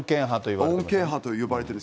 穏健派といわれている。